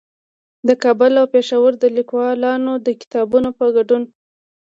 د کابل او پېښور د ليکوالانو د کتابونو په ګډون